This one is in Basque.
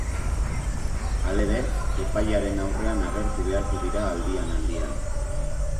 Halere, epailearen aurrean agertu beharko dira aldian-aldian.